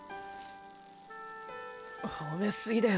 ほめすぎだよ